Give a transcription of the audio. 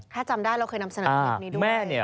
ถ้าจำได้เราเคยทำสนับแบบนี้ด้วย